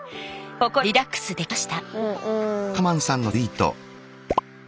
心からリラックスできました。